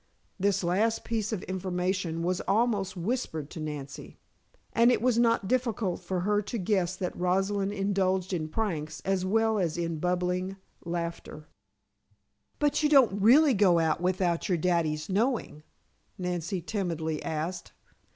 This last piece of information was almost whispered to Nancy, and it was not difficult for her to guess that Rosalind indulged in pranks as well as in bubbling laughter. "But you don't really go out without your daddy's knowing?" Nancy timidly asked.